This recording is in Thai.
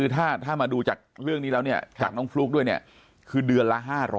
ถ้ามาดูจากเรื่องนี้แล้วจากน้องพลูกด้วยคือเดือนละ๕๐๐